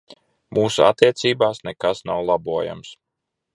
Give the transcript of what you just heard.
Mūsu attiecībās nekas nav labojams.